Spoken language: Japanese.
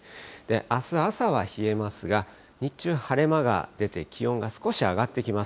あす朝は冷えますが、日中、晴れ間が出て気温が少し上がってきます。